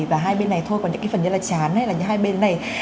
và hai bên này thôi còn những phần như là chán hay là hai bên này